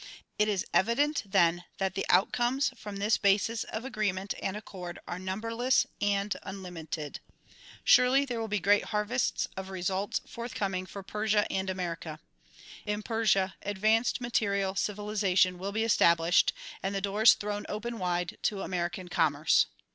It is evident then that the outcomes from this basis of agreement and accord are number less and unlimited. Surely there will be great hai vests of results forthcoming for Persia and America. In Persia advanced material civilization will be established and the doors thrown open wide to American commerce.